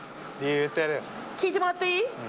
聞いてもらっていい？